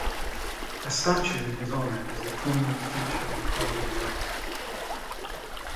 A statue in his honor is a prominent feature of Harvard Yard.